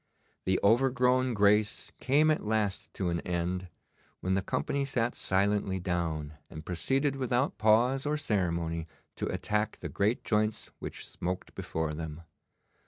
The overgrown grace came at last to an end, when the company sat silently down, and proceeded without pause or ceremony to attack the great joints which smoked before them.